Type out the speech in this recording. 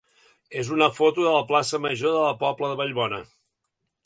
és una foto de la plaça major de la Pobla de Vallbona.